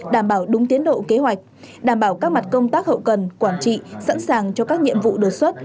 đảm bảo đúng tiến độ kế hoạch đảm bảo các mặt công tác hậu cần quản trị sẵn sàng cho các nhiệm vụ đột xuất